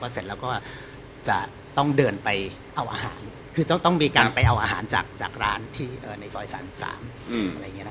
เสร็จแล้วก็จะต้องเดินไปเอาอาหารคือจะต้องมีการไปเอาอาหารจากร้านในซอย๓๓